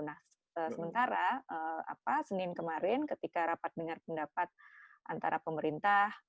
nah sementara senin kemarin ketika rapat dengar pendapat antara pemerintah